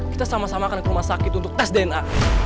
kita sama samakan ke rumah sakit untuk tes dna